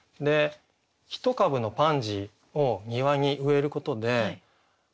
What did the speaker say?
一株のパンジーを庭に植えることで急にね